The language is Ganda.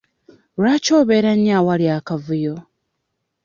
Lwaki obeera nnyo awali akavuyo?